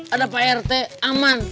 ada pak rete aman